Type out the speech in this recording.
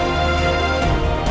tuh cantik banget